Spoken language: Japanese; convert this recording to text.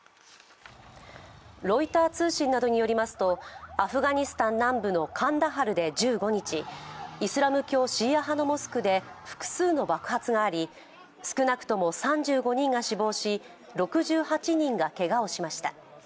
ロイター通信などによりますと、アフガニスタン南部のカンダハルで１５日、イスラム教シーア派のモスクで複数の爆発があり少なくとも３５人が死亡し、６８人がけがをしました。